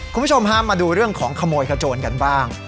คุณผู้ชมฮะมาดูเรื่องของขโมยขโจรกันบ้าง